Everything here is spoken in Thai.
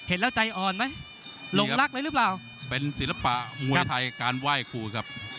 เห็นแล้วใจอ่อนไหมลงรักเลยหรือเปล่าเป็นศิลปะมวยไทยการไหว้ครูครับ